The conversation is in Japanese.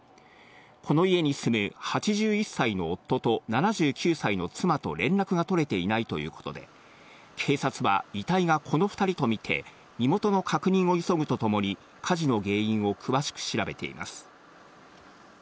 この家に住む８１歳の夫と７９歳と妻と連絡が取れていないということで、警察は遺体がこの２人とみて身元の確認を急ぐとともに、火事の原因を詳しく調べています。